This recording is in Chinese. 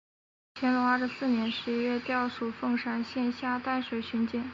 乾隆二十四年十一月调署凤山县下淡水巡检。